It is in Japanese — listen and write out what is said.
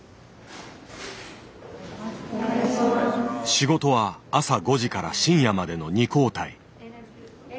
仕事は朝５時から深夜までの２交代。